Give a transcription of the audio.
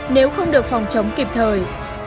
nếu không được phòng chống kịp thời